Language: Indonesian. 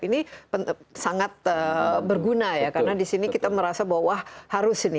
ini sangat berguna ya karena di sini kita merasa bahwa harus ini